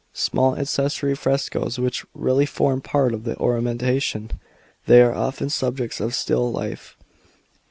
(4 Small accessory frescoes, which really form part of the ornamentation. They are often subjects of still life.